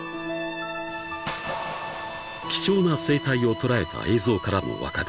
［貴重な生態を捉えた映像からも分かる］